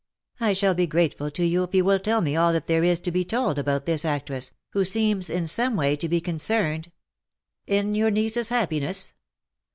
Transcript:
" I shall be grateful to you if you will tell me all that there is to be told about this actress, who seems in some way to be concerned "^' In your niece's happiness